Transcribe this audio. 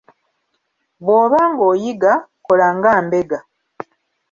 Bw'oba ng'oyiga, kola nga mbega.